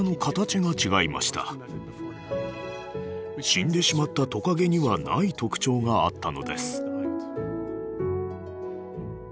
死んでしまったトカゲにはない特徴があったのです。